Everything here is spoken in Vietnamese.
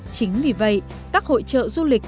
chính vì vậy các hội trợ du lịch